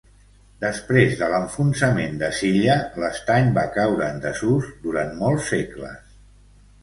Després de l'enfonsament de Silla, l'estany va caure en desús durant molts segles.